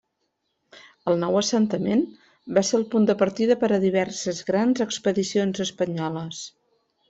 El nou assentament va ser el punt de partida per a diverses grans expedicions espanyoles.